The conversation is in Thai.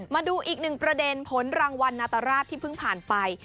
มาดูอีกหนึ่งประเด็นผลรางวัลนาตราชที่เพิ่งผ่านไป